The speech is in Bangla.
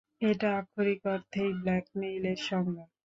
এটা আক্ষরিক অর্থেই ব্ল্যাকমেইলের সংজ্ঞা।